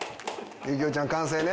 行雄ちゃん完成ね？